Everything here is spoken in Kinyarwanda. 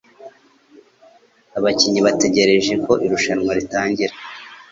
Abakinnyi bategereje ko irushanwa ritangira.